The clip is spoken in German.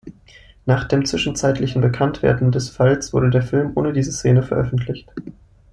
Nach dem zwischenzeitlichen Bekanntwerden des Falls wurde der Film ohne diese Szene veröffentlicht.